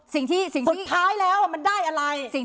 สุดท้ายแล้วมันได้อะไร